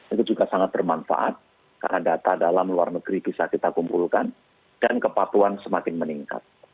itu juga sangat bermanfaat karena data dalam luar negeri bisa kita kumpulkan dan kepatuan semakin meningkat